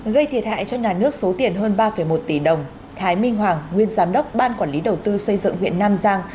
gây thiệt hại cho nhà nước số tiền hơn ba một tỷ đồng thái minh hoàng nguyên giám đốc ban quản lý đầu tư xây dựng huyện nam giang